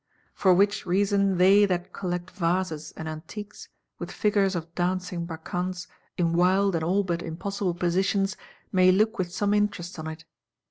For which reason they that collect Vases and Antiques, with figures of Dancing Bacchantes "in wild and all but impossible positions," may look with some interest on it.